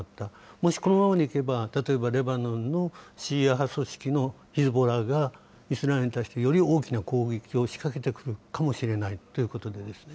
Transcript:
もしこのままでいけば、例えばレバノンのシーア派組織のヒズボラが、イスラエルに対してより大きな攻撃を仕掛けてくるかもしれないということですね。